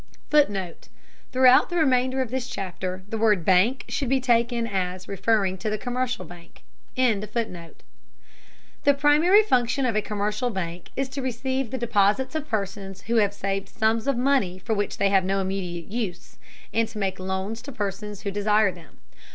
[Footnote: Throughout the remainder of this chapter the word "bank" should be taken as referring to the commercial bank.] The primary function of a commercial bank is to receive the deposits of persons who have saved sums of money for which they have no immediate use, and to make loans to persons who desire them.